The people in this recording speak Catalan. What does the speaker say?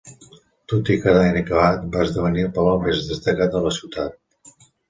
Tot i quedar inacabat va esdevenir el palau més destacat de la ciutat.